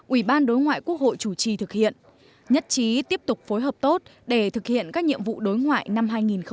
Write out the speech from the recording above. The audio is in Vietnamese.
ủy ban đối ngoại quốc hội chủ trì thực hiện nhất trí tiếp tục phối hợp tốt để thực hiện các nhiệm vụ đối ngoại năm hai nghìn hai mươi